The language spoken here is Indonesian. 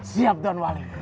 siap tuan wali